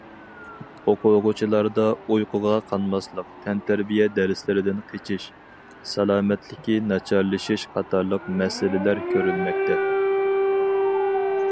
ئوقۇغۇچىلاردا ئۇيقۇغا قانماسلىق، تەنتەربىيە دەرسلىرىدىن قېچىش، سالامەتلىكى ناچارلىشىش قاتارلىق مەسىلىلەر كۆرۈلمەكتە.